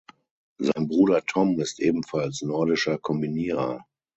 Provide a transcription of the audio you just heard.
Sein Bruder Tom ist ebenfalls Nordischer Kombinierer.